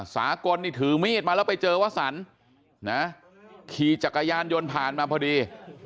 สากลนี่ถือมีดมาแล้วไปเจอวสันนะขี่จักรยานยนต์ผ่านมาพอดี